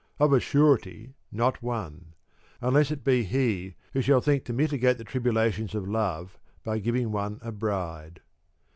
Of a surety not one ; unless it be he who shall think to mitigate the tribulations of love by giving one a bride.